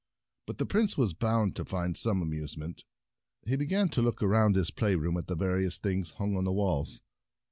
But the Prince was bound to find some amusement. He began to look around his play room, at the various things hung on the walls.